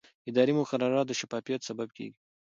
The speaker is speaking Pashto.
اداري مقررات د شفافیت سبب کېږي.